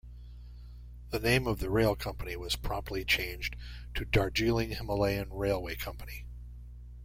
The name of the rail company was promptly changed to Darjeeling Himalayan Railway Company.